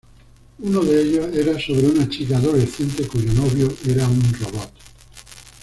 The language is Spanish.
Uno de ellos era sobre una chica adolescente cuyo novio era un robot.